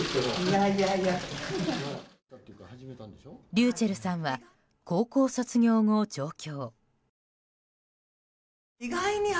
ｒｙｕｃｈｅｌｌさんは高校卒業後、上京。